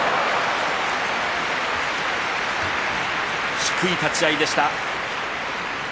低い立ち合いでした。